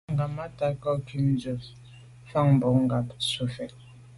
Njag ghammatat kà nkum ndùs’a nèn mfan bon ngab bo tswe fite là.